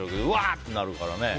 ってなるからね。